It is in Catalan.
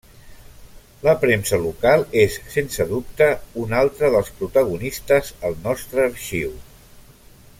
La premsa local és sense dubte, un altre dels protagonistes al nostre arxiu.